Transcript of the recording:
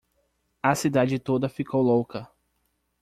A cidade toda ficou louca.